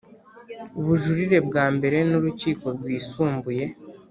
bujurire bwa mbere n Urukiko Rwisumbuye